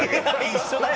一緒だよ！